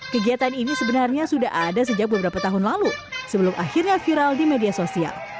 kegiatan ini sebenarnya sudah ada sejak beberapa tahun lalu sebelum akhirnya viral di media sosial